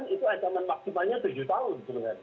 itu ancaman maksimalnya tujuh tahun sebenarnya